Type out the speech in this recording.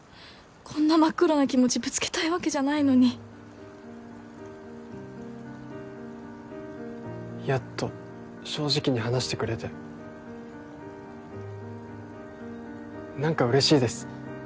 こんな真っ黒な気持ちぶつけたいわけじゃないのにやっと正直に話してくれて何か嬉しいです